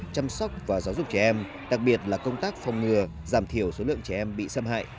chăm sóc và giáo dục trẻ em đặc biệt là công tác phòng ngừa giảm thiểu số lượng trẻ em bị xâm hại